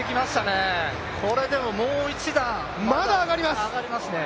これでもう一段、上がりますね。